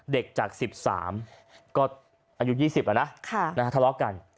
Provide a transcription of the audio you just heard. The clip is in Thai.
เด็กจาก๑๓ก็อายุ๒๐แล้วนะทะเลาะกัน